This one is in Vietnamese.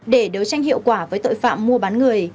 để đấu tranh hiệu quả với tội phạm mua bán người